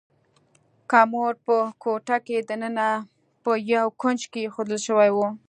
کمود په کوټه کې دننه په یو کونج کې ایښودل شوی و.